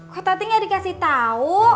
kok tadi nggak dikasih tahu